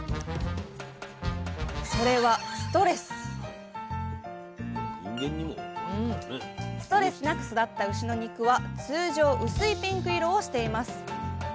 それはストレスなく育った牛の肉は通常薄いピンク色をしています。